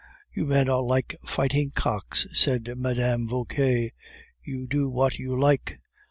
"You men are like fighting cocks," said Mme. Vauquer; "you do what you like."